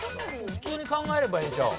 普通に考えればええんちゃう？